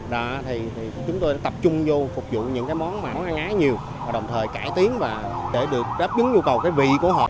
đó thì chúng tôi tập trung vô phục vụ những cái món ăn á nhiều và đồng thời cải tiến và để được đáp dứng nhu cầu cái vị của họ